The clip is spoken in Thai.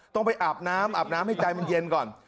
ต้องไปอาบน้ำอาบน้ำให้ใจมันเย็นก่อน